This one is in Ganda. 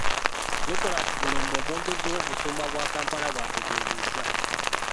Nicholas Mulumba omwogezi w'Obusumba bwa Kampala bw'ategeezezza.